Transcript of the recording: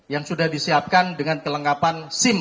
yang sudah disiapkan dengan kelengkapan sim